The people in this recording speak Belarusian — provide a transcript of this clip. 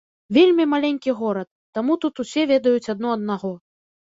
Вельмі маленькі горад, таму тут усе ведаюць адно аднаго.